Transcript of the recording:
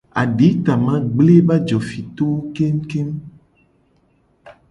Aditama gble ebe ajofitowo kengukengu.